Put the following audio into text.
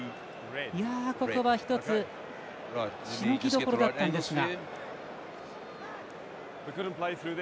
ここは一つしのぎどころだったんですが。